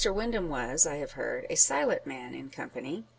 Windham was, I have heard, a silent man in company.